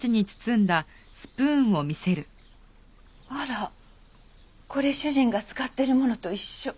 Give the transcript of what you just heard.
あらこれ主人が使ってるものと一緒。